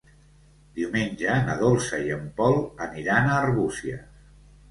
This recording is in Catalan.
Diumenge na Dolça i en Pol aniran a Arbúcies.